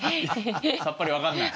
さっぱり分かんない？